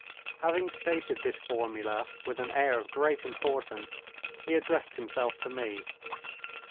'" Having stated this formula with an air of great importance, he addressed himself to me.